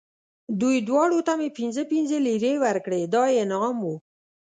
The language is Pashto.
دوی دواړو ته مې پنځه پنځه لېرې ورکړې، دا یې انعام و.